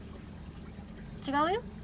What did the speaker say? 違うよ